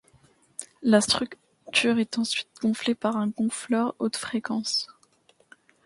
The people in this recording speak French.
La structure est ensuite gonflée par un gonfleur haute fréquence.